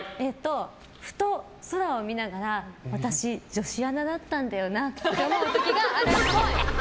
ふと空を見ながら私、女子アナだったんだよなと思う時があるっぽい。